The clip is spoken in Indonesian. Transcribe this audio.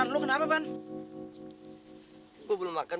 loh kok bisa sih kan